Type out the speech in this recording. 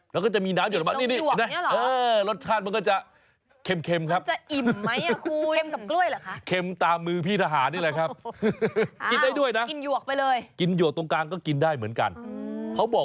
แล้วก็จะมีน้ำหยดเข้ามารสชาติมันก็จะเข็ม